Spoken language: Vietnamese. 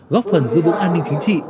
góp phần giữ vụ an ninh chính trị